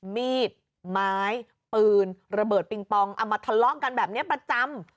มีดไม้ปืนระเบิดปิงปองเอามาทะเลาะกันแบบนี้ประจำ